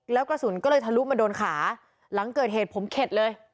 แล้วกระสุนก็เลยทะลุมาโดนขาหลังเกิดเหตุผมเข็ดเลย